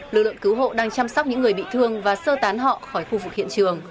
lực lượng cứu hộ đang chăm sóc những người bị thương và sơ tán họ khỏi khu vực hiện trường